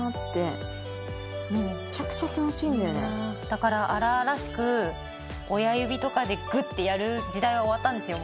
だから荒々しく親指とかでグッてやる時代は終わったんですよ